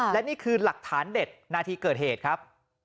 และนี่คือหลักฐานเด็ดนาทีเกิดเหตุครับ